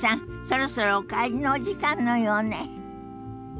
そろそろお帰りのお時間のようね。